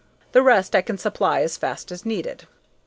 The rest I can supply as fast as needed."